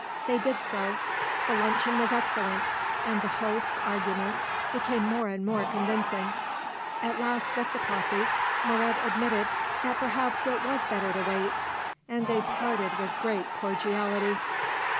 They did so. The luncheon was excellent, and the host's arguments became more and more convincing. At last, with the coffee, Moret admitted that perhaps it was better to wait, and they parted with great cordiality.